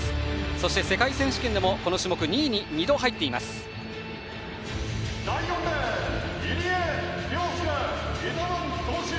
そして世界選手権でもこの種目、２位に２度入っている古賀淳也。